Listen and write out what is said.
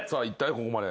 ここまで。